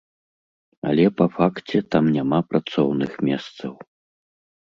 Але па факце, там няма працоўных месцаў.